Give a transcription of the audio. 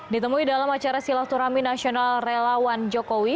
ditemui dalam acara silaturahmi nasional relawan jokowi